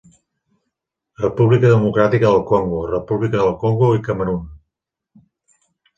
República Democràtica del Congo, República del Congo i Camerun.